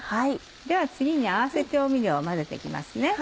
では次に合わせ調味料を混ぜて行きますね。